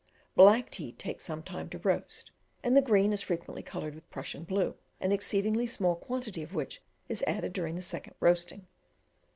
Black tea takes some time to roast, and the green is frequently coloured with Prussian blue, an exceedingly small quantity of which is added during the second roasting.